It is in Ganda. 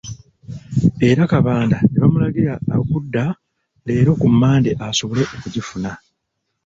Era Kabanda ne bamulagira okudda leero ku Mmande asobole okugifuna.